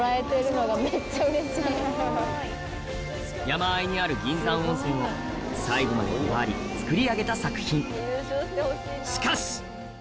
山あいにある銀山温泉を細部までこだわり作り上げた作品しかし！